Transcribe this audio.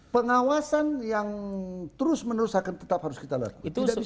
pengawasan yang terus menerus akan tetap harus kita lakukan